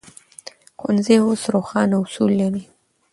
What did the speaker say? ښوونځي اوس روښانه اصول لري.